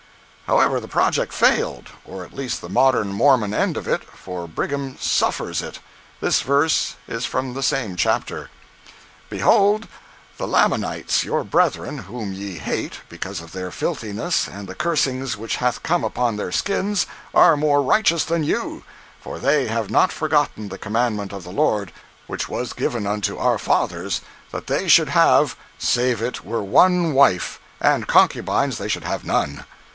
However, the project failed—or at least the modern Mormon end of it—for Brigham "suffers" it. This verse is from the same chapter: Behold, the Lamanites your brethren, whom ye hate, because of their filthiness and the cursings which hath come upon their skins, are more righteous than you; for they have not forgotten the commandment of the Lord, which was given unto our fathers, that they should have, save it were one wife; and concubines they should have none.